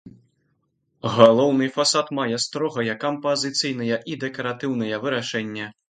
Галоўны фасад мае строгае кампазіцыйнае і дэкаратыўнае вырашэнне.